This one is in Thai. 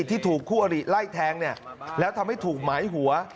ที่ถูกคู่อริไล่แทงแล้วทำให้ถูกหมายหัว